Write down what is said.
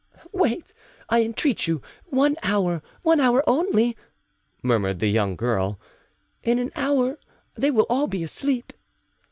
"Wait, I entreat you, one hour, one hour only," murmured the young girl; "in an hour they will all be asleep."